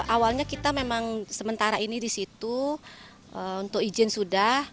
awalnya kita memang sementara ini di situ untuk izin sudah